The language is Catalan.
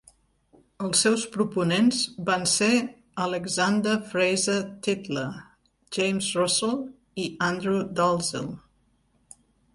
Els seus proponents van ser Alexander Fraser Tytler, James Russell i Andrew Dalzell..